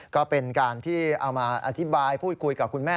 ก็เป็นการที่เอามาอธิบายพูดคุยกับคุณแม่